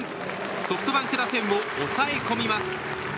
ソフトバンク打線を抑え込みます。